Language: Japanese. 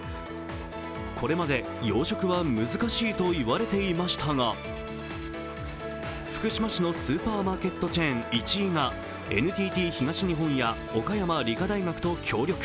これまで養殖は難しいと言われていましたが福島市のスーパーマーケットチェーンいちいがＮＴＴ東日本や岡山理科大学と協力。